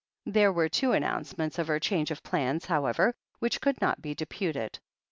There were two announcements of her change of plans, however, which could not be deputed.